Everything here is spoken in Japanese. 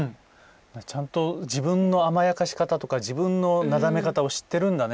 ちゃんと自分の甘やかし方とか自分のなだめ方を知ってるんだね